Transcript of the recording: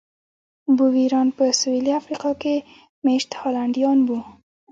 بویران په سوېلي افریقا کې مېشت هالنډیان وو.